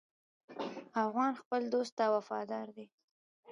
افغان خپل دوست ته وفادار دی.